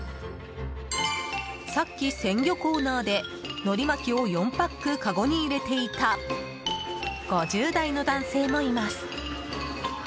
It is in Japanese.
さっき鮮魚コーナーでのり巻きを４パックかごに入れていた５０代の男性もいます。